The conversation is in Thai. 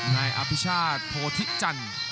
ในอภิชาโทษธิจันทร์